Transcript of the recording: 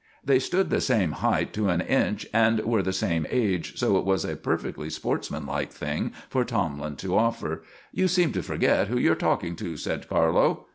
They stood the same height to an inch and were the same age, so it was a perfectly sportsman like thing for Tomlin to offer. "You seem to forget who you're talking to," said Carlo.